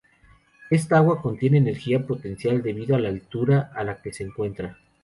Esta agua contiene energía potencial debido a la altura a la que se encuentra.